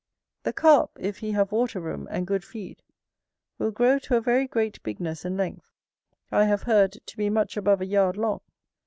The Carp, if he have water room and good feed, will grow to a very great bigness and length; I have heard, to be much above a yard long.